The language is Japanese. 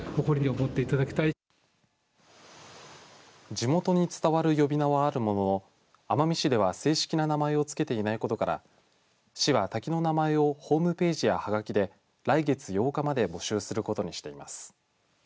地元に伝わる呼び名はあるものの奄美市では正式な名前をつけていないことから市は滝の名前をホームページやはがきで来月８日まで募集することにしています。